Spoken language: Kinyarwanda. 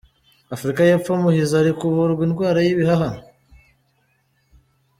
Afurika y’epfo muhizi ari kuvurwa indwara y’ibihaha